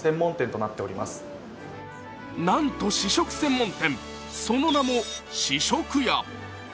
なんと試食専門店、その名も試食屋。